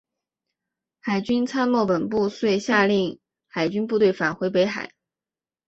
海军参谋本部遂下令海军部队返回北海。